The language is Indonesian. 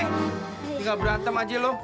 tinggal berantem aja lo